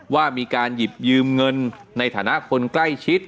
ว่ามีการหยิบยืมเงินในฐานะคนใกล้ชิด